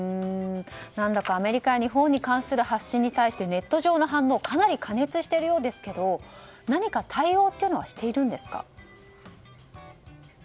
何だかアメリカや日本に関する発信に対してネット上の反応がかなり過熱しているようですけど何か対応というのはしているんですか？